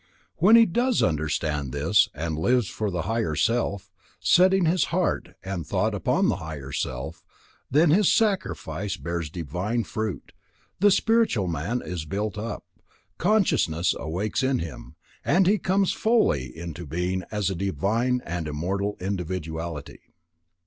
When he does understand this, and lives for the Higher Self, setting his heart and thought on the Higher Self, then his sacrifice bears divine fruit, the spiritual man is built up, consciousness awakes in him, and he comes fully into being as a divine and immortal individuality.